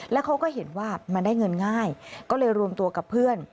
แล้วเขาก็เห็นว่ามันได้เงินง่ายก็เลยรวมตัวกับเพื่อน